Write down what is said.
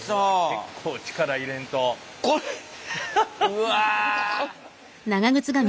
うわ。